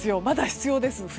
まだ必要です。